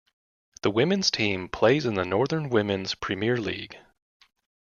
The women's team plays in the Northern Women's Premier League.